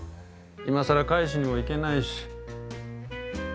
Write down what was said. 今更返しにも行けないし。